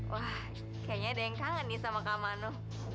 wah kayaknya ada yang kangen nih sama kak mano